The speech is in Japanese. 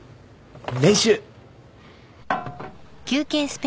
練習。